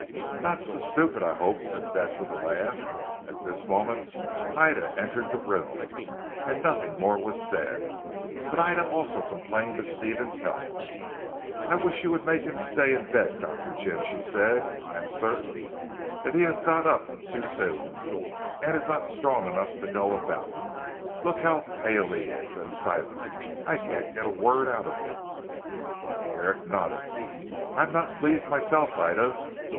"Not so stupid I hope," said Bess with a laugh. At this moment Ida entered the room, and nothing more was said. But Ida also complained of Stephen's health. "I wish you would make him stay in bed Dr. Jim," she said, "I am certain that he has got up too soon and is not strong enough to go about. Look how pale he is, and silent. I can't get a word out of him." Herrick nodded. "I am not pleased myself Ida.